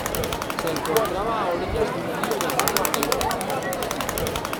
Se encontraba a orillas de un río llamado Aqueloo.